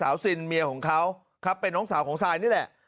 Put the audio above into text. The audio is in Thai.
ซินเมียของเขาครับเป็นน้องสาวของซายนี่แหละ